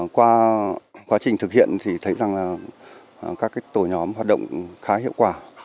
qua quá trình thực hiện thì thấy rằng là các tổ nhóm hoạt động khá hiệu quả